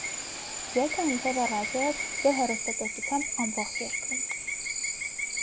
Երգը հնչել է ռադիոյով և հեռուստատեսությամբ ամբողջ երկրում։